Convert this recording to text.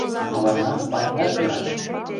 — Мыланна пареҥгат йӧра.